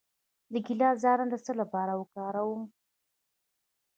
د ګیلاس دانه د څه لپاره وکاروم؟